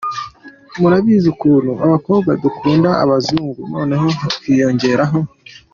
murabizi ukuntu abakobwa dukunda abazungu noneho hakwiyongeraho